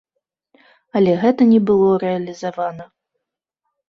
Але гэта не было рэалізавана.